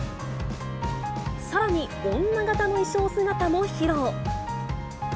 さらに、女方の衣装姿も披露。